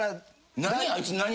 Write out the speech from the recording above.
何？